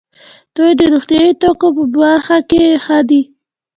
دوی د روغتیايي توکو په برخه کې ښه دي.